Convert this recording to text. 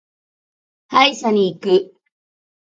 歯医者に行く。